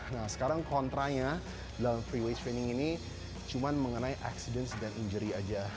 nah sekarang kontranya dalam free wage training ini cuma mengenai accidence dan injury aja